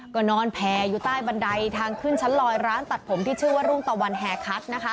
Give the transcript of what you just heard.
ก็นอนแผ่อยู่ใต้บันไดทางขึ้นชั้นลอยร้านตัดผมที่ชื่อว่ารุ่งตะวันแห่คัทนะคะ